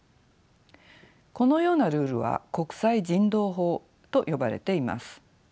このようなルールは国際人道法と呼ばれています。